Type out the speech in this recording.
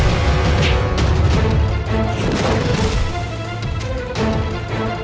warzah network terhiduppul kandung